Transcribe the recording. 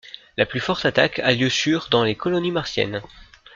La plus forte attaque a lieu sur dans les colonies martiennes.